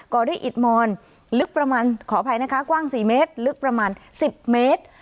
่อด้วยอิดมอนลึกประมาณขออภัยนะคะกว้าง๔เมตรลึกประมาณ๑๐เมตร